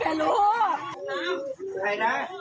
พื้นมาใหญ่